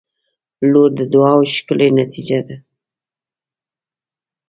• لور د دعاوو ښکلی نتیجه ده.